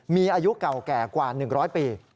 มีอายุเก่าแก่กว่า๑๐๐ปี